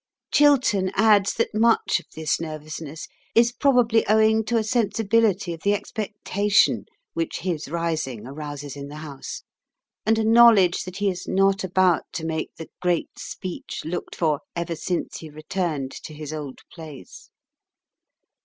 Chiltern adds that much of this nervousness is probably owing to a sensibility of the expectation which his rising arouses in the House, and a knowledge that he is not about to make the "great speech" looked for ever since he returned to his old place.